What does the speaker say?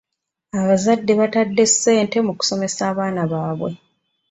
Abazadde batadde ssente mu kusomesa abaana baabwe.